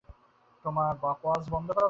তোর বাকোয়াজ বন্ধ কর তো ভাই।